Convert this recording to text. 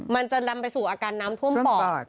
มันจะนำไปสู่อาการน้ำท่วมปอด